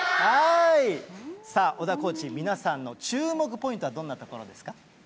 さあ、小田コーチ、皆さんの注目ポイントはどんなところですか？